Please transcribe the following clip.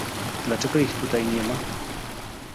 Dlaczego ich tutaj nie ma?